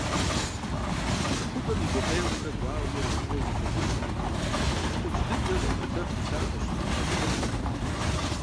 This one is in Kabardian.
ЦӀыхубэм и гукъеуэмрэ гуауэмрэ куууэ зыхэзыщӀэ, ӀупщӀ дыдэу зыӀуэтэф усакӀуэщ ПащӀэ Бэчмырзэ.